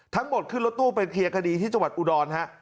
ทั้งหมดขึ้นรถตู้ไปเคลียร์คดีที่จังหวัดอุดรฮะ